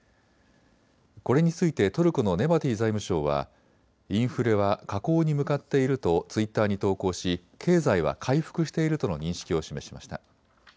これについてトルコのネバティ財務相はインフレは下降に向かっているとツイッターに投稿し経済は回復しているとの認識を示しました。